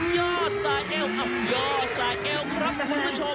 ย่อสายเอวย่อสายเอวครับคุณผู้ชม